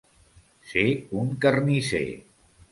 Ser un carnisser.